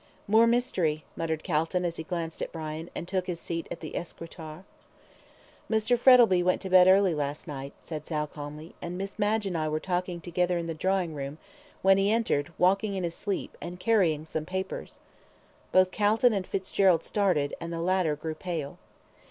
"More mystery," muttered Calton, as he glanced at Brian, and took his seat at the escritoire. "Mr. Frettlby went to bed early last night," said Sal, calmly, "and Miss Madge and I were talking together in the drawing room, when he entered, walking in his sleep, and carrying some papers " Both Calton and Fitzgerald started, and the latter grew pale.